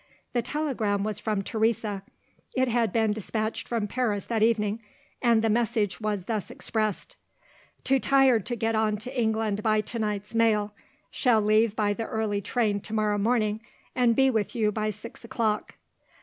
The telegram was from Teresa. It had been despatched from Paris that evening; and the message was thus expressed: "Too tired to get on to England by to night's mail. Shall leave by the early train to morrow morning, and be with you by six o'clock."